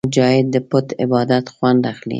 مجاهد د پټ عبادت خوند اخلي.